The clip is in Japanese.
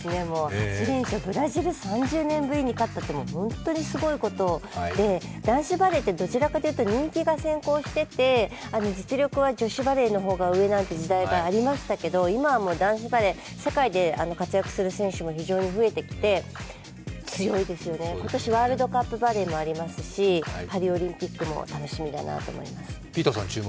８連勝、ブラジルに３０年ぶりに勝ったってもう本当にすごいことで男子バレーってどちらかというと人気が先行していて、実力は女子バレーの方が上なんていう時代がありましたけど今はもう男子バレー、世界で活躍する選手も非常に増えてきて強いですよね、今年ワールドカップバレーもありますしパリオリンピックも楽しみだなと思います。